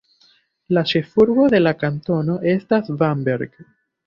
La ĉefurbo de la kantono estas Bamberg.